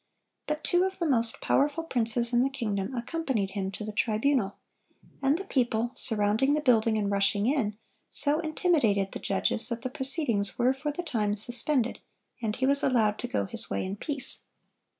But two of the most powerful princes in the kingdom accompanied him to the tribunal; and the people, surrounding the building and rushing in, so intimidated the judges that the proceedings were for the time suspended, and he was allowed to go his way in peace.